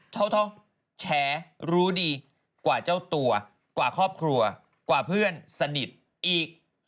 เท่าแชร์รู้ดีกว่าเจ้าตัวกว่าครอบครัวกว่าเพื่อนสนิทอีก